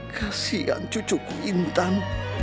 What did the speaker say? kasian cucuku intan